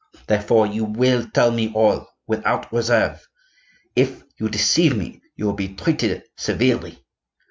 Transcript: Therefore you will tell me all, without reserve. If you deceive me you will be treated severely.